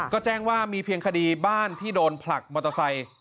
ก็แจ้งว่ามีเพียงคดีบ้านที่โดนผลักมอเตอร์ไซค์